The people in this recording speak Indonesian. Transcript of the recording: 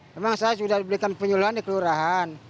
memang saya sudah diberikan penyuluhan di kelurahan